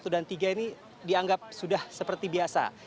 satu dan tiga ini dianggap sudah seperti biasa